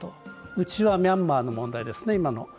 内は今のミャンマーの問題ですね。